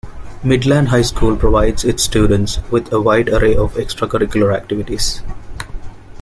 Midland High School provides its students with a wide array of extracurricular activities.